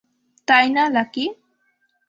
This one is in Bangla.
তাই না, লাকি?